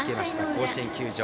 甲子園球場。